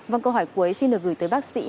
vâng câu hỏi cuối xin được gửi tới bác sĩ